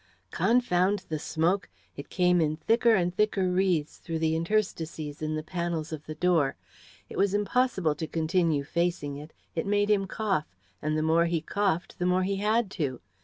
Confound the smoke! It came in thicker and thicker wreaths through the interstices in the panels of the door. It was impossible to continue facing it; it made him cough, and the more he coughed the more he had to.